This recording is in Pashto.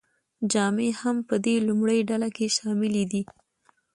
جامې هم په دې لومړۍ ډله کې شاملې دي.